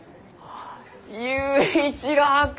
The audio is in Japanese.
佑一郎君！